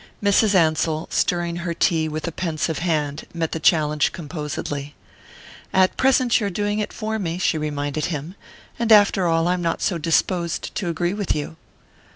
Mrs. Ansell, stirring her tea with a pensive hand, met the challenge composedly. "At present you're doing it for me," she reminded him; "and after all, I'm not so disposed to agree with you."